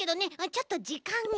ちょっとじかんが。